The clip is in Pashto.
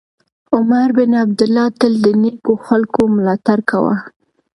عمر بن عبیدالله تل د نېکو خلکو ملاتړ کاوه.